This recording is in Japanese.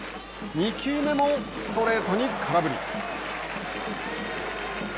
２球目もストレートに空振り。